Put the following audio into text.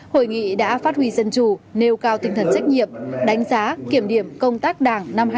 hội nghị đã phát huy dân chủ nêu cao tinh thần trách nhiệm đánh giá kiểm điểm công tác đảng năm